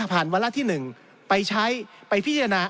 วาระที่๑ไปใช้ไปพิจารณา